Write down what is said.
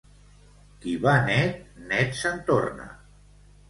Qui va net, net se'n torna.